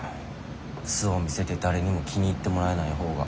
素を見せて誰にも気に入ってもらえないほうが。